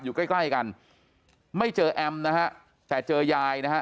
อยู่ใกล้ใกล้กันไม่เจอแอมนะฮะแต่เจอยายนะฮะ